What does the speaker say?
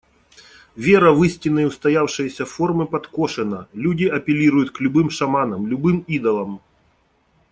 Вера в истинные, устоявшиеся формы подкошена, люди апеллируют к любым шаманам, любым идолам.